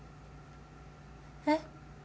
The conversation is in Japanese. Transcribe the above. えっ？